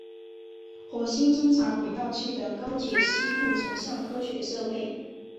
火星侦察轨道器的高解析度成像科学设备。